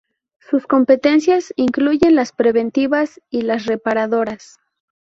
Sus competencias incluyen las preventivas y las reparadoras.